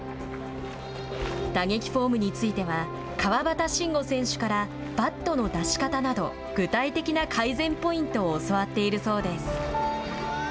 打撃フォームについては川端慎吾選手からバットの出し方など、具体的な改善ポイントを教わっているそうです。